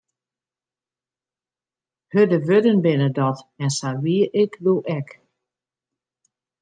Hurde wurden binne dat, en sa wie ik doe ek.